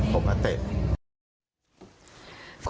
คุณผู้ชมค่ะคุณผู้ชมค่ะ